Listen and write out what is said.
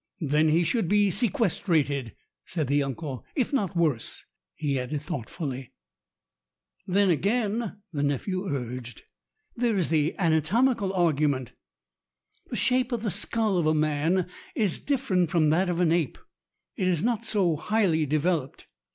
"Then he should be sequestrated," said the uncle. "If not worse," he added thoughtfully. "Then, again," the nephew urged, "there is the an atomical argument. The shape of the skull of a man is different from that of an ape. It is not so highly developed.